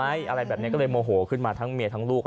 อะไรแบบนี้ก็เลยโมโหขึ้นมาทั้งเมียทั้งลูก